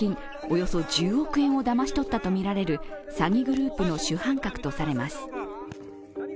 およそ１０億円をだまし取ったとみられる詐欺グループの主犯格とされます。